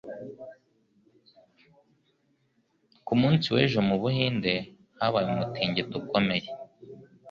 Ku munsi w'ejo mu Buhinde habaye umutingito ukomeye.